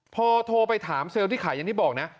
พอโทรไปถามเซลล์ที่ขายอย่างที่บอกนะ